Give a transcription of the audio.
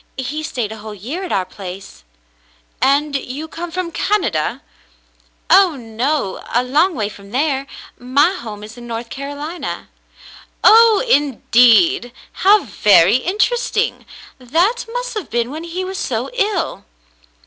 He stayed a whole year at our place." "And you came from Canada.'*" Cassandra at Queensderry 285 "Oh, no. A long way from there. My home is in North Carolina." "Oh, indeed ! How very interesting ! That must have been when he was so ill."